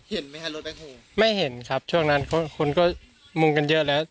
เห็นไหมฮะรถแคคโฮไม่เห็นครับช่วงนั้นคนก็มุงกันเยอะแล้ว